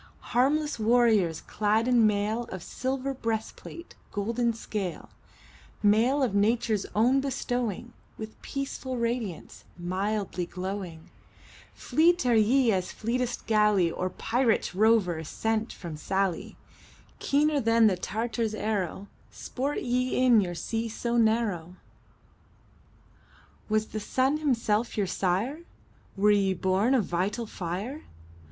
Harmless warriors, clad in mail Of silver breastplate, golden scale; Mail of Nature's own bestowing, With peaceful radiance, mildly glowing Fleet are ye as fleetest galley Or pirate rover sent from Sallee; Keener than the Tartar's arrow, Sport ye in your sea so narrow. Was the sun himself your sire? Were ye born of vital fire?